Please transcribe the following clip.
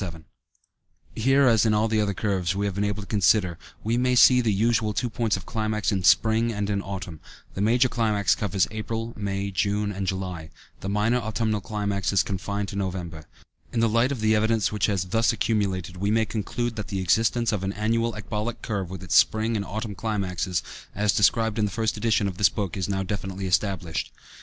77 Here, as in all the other curves we have been able to consider, we may see the usual two points of climax in spring and in autumn; the major climax covers April, May, June, and July, the minor autumnal climax is confined to November. In the light of the evidence which has thus accumulated, we may conclude that the existence of an annual ecbolic curve, with its spring and autumn climaxes, as described in the first edition of this book, is now definitely established.